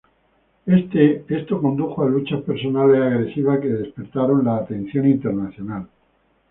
Esto condujo a luchas personales agresivas que despertaron la atención internacional.